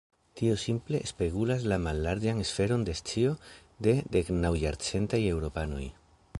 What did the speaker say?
Tio simple spegulas la mallarĝan sferon de scio de deknaŭajarcentaj eŭropanoj.